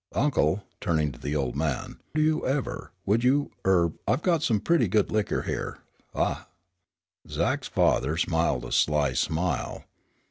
Uncle," turning to the old man, "do you ever would you er. I've got some pretty good liquor here, ah " Zach's father smiled a sly smile.